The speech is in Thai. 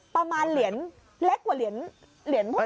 ประมาณเหรียญเหรียญ